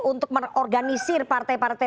untuk mengorganisir partai partai